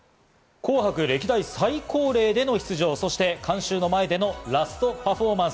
『紅白』歴代最高齢での出場、そして観衆の前でのラストパフォーマンス。